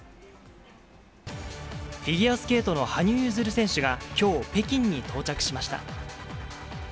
フィギュアスケートの羽生結弦選手がきょう、北京に到着しました。